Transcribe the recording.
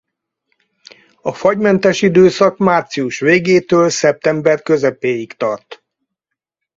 A fagymentes időszak március végétől szeptember közepéig tart.